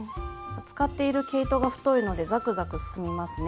使っている毛糸が太いのでザクザク進みますね。